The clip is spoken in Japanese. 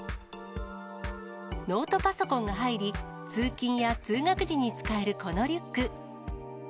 ノートパソコンが入り、通勤や通学時に使えるこのリュック。